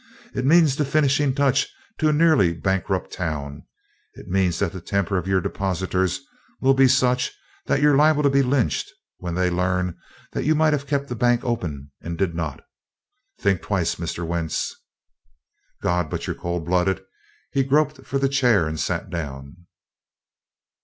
It means the finishing touch to a nearly bankrupt town. It means that the temper of your depositors will be such that you're liable to be lynched, when they learn that you might have kept the bank open and did not. Think twice, Mr. Wentz." "God, but you're cold blooded!" He groped for the chair and sat down.